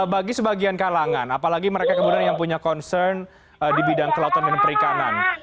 bagi sebagian kalangan apalagi mereka kemudian yang punya concern di bidang kelautan dan perikanan